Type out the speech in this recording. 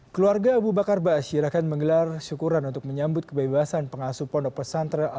keluarga abu bakar basir akan menggelar syukuran untuk menyambut kebebasan pengasuh pondok pesantra al muqmin ruki sukoharjo